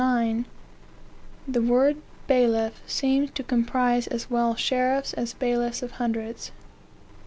9, the word bailiff seems to comprise as well sheriffs, as bailiffs of hundreds.